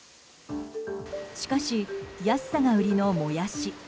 しかし、安さが売りのモヤシ。